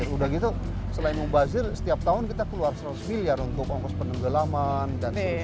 udah gitu selain mubazir setiap tahun kita keluar seratus miliar untuk ongkos penenggelaman dan sebagainya